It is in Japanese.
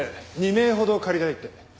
２名ほど借りたいって。